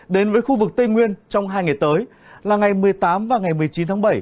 đến với khu vực tây nguyên trong hai ngày tới là ngày một mươi tám và ngày một mươi chín tháng bảy